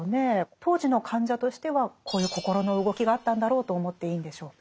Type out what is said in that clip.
当時の患者としてはこういう心の動きがあったんだろうと思っていいんでしょうか。